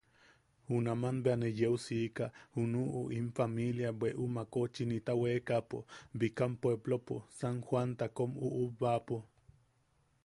Junaman bea neu yeu siika junuʼu in pamilia bweʼu makoʼochinta weekaʼapo bikam puepplopo, San Joanta kom uʼubaʼapo.